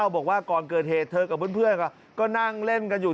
บอกว่าก่อนเกิดเหตุเธอกับเพื่อนก็นั่งเล่นกันอยู่